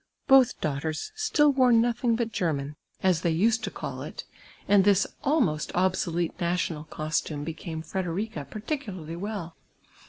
]k)th dau<;hters still wore nothin<; but Gennan, as they ust d to eall it, and this almost obsolete national eostume became Frederica particularly well.